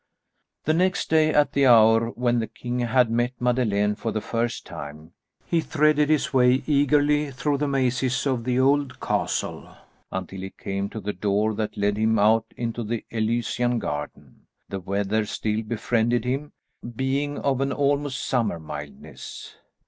The next day at the hour when the king had met Madeleine for the first time, he threaded his way eagerly through the mazes of the old castle until he came to the door that led him out into the Elysian garden. The weather still befriended him, being of an almost summer mildness.